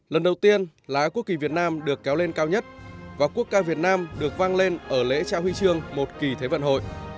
lần đầu tiên lá quốc kỳ việt nam được kéo lên cao nhất và quốc ca việt nam được vang lên ở lễ trao huy chương một kỳ thế vận hội